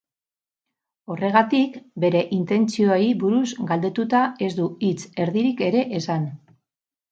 Horregatik, bere intentzioei buruz galdetuta ez du hitz erdirik ere esan.